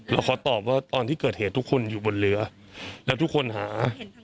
เราขอตอบว่าตอนที่เกิดเหตุทุกคนอยู่บนเรือแล้วทุกคนหา